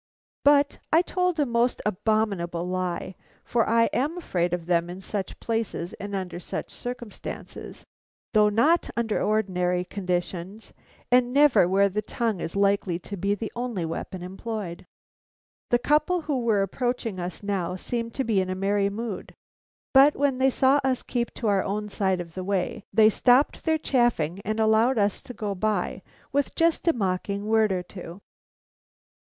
But I told a most abominable lie; for I am afraid of them in such places and under such circumstances, though not under ordinary conditions, and never where the tongue is likely to be the only weapon employed. The couple who were approaching us now seemed to be in a merry mood. But when they saw us keep to our own side of the way, they stopped their chaffing and allowed us to go by, with just a mocking word or two.